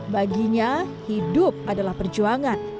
baginya hidup adalah perjuangan